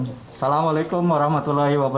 assalamu'alaikum warahmatullahi wabarakatuh